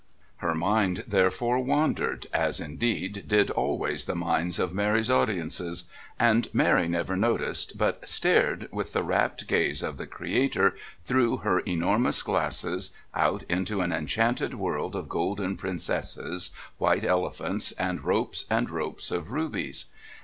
Her mind therefore wandered, as indeed, did always the minds of Mary's audiences, and Mary never noticed but stared with the rapt gaze of the creator through her enormous glasses, out into an enchanted world of golden princesses, white elephants and ropes and ropes of rubies.